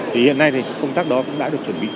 thì hiện nay thì công tác đó cũng đã được chuẩn bị